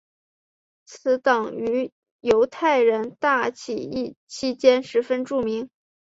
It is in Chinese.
此党于犹太人大起义期间十分著名。